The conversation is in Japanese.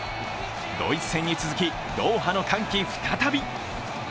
ドイツ戦に続きドーハの歓喜再び。